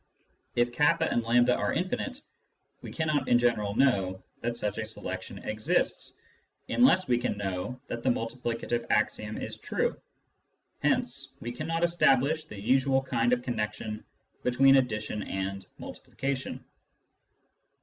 If k and A are infinite, we cannot in general know that such a selection exists, unless we can know that the multi plicative axiom is true. Hence we cannot establish the usual kind of connection between addition and multiplication.